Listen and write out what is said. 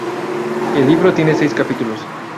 El libro tiene seis capítulos.